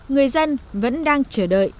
người dân vẫn đang chờ đợi